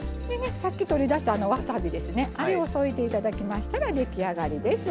さっき取り出したわさびを添えていただきましたら出来上がりです。